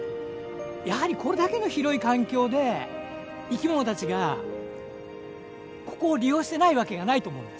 やはりこれだけの広い環境で生きものたちがここを利用していないわけがないと思うんです。